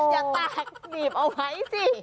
อย่าแตกหนีบเอาไว้สิ